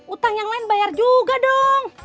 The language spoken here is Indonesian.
utang yang lain bayar juga dong